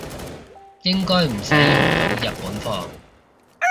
應該唔使用到日本貨